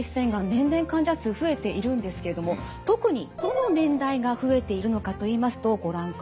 年々患者数増えているんですけれども特にどの年代が増えているのかといいますとご覧ください。